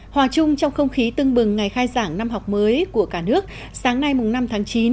hòa chung trong không khí tưng bừng ngày khai giảng năm học mới của cả nước sáng nay năm tháng chín